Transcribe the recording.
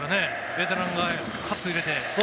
ベテランが、かつ入れて。